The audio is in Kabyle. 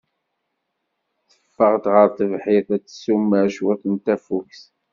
Teffeɣ-d ɣer tebḥirt ad tessumer cwiṭ n tafukt.